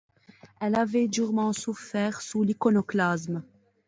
Elles avaient durement souffert sous l’iconoclasme.